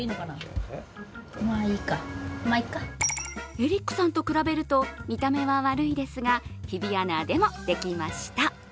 エリックさんと比べると見た目は悪いですが、日比アナでもできました。